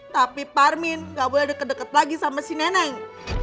tapi pak arwin gak boleh deket deket lagi sama si neneng